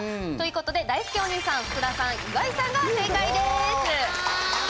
だいすけお兄さん福田さん、岩井さんが正解です。